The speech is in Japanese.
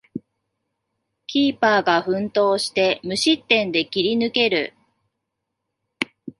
キーパーが奮闘して無失点で切り抜ける